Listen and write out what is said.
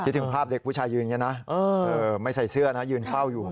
ถึงภาพเด็กผู้ชายยืนอย่างนี้นะไม่ใส่เสื้อนะยืนเฝ้าอยู่